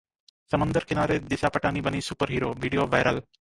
समंदर किनारे दिशा पटानी बनी 'सुपर हीरो', Video वायरल